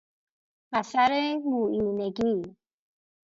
اثر مویینگی